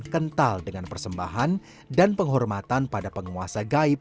kental dengan persembahan dan penghormatan pada penguasa gaib